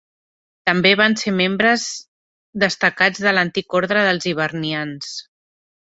També van ser membres destacats de l'Antic Ordre dels Hibernians.